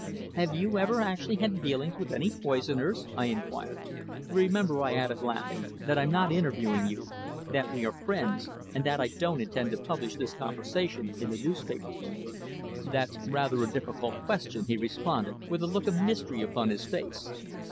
"Have you actually ever had dealings with any poisoners?" I inquired. "Remember," I added laughing, "that I'm not interviewing you, that we are friends, and that I don't intend to publish this conversation in the newspapers." "That's rather a difficult question," he responded, with a look of mystery upon his face.